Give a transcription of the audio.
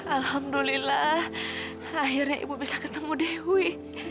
alhamdulillah akhirnya ibu bisa ketemu dewi